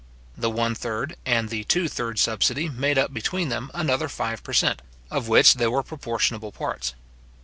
The one third and the two third subsidy made up between them another five per cent. of which they were proportionable parts.